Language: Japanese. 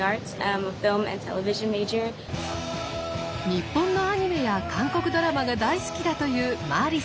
日本のアニメや韓国ドラマが大好きだというマーリさん。